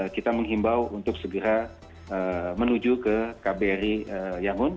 kita menghimbau untuk segera menuju ke kbri yangon